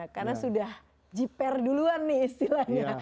karena sudah jiper duluan nih istilahnya